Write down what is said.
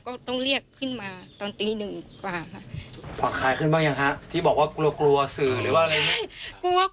ก็ต้องเรียกขึ้นมาตอนตีหนึ่งกว่าครับ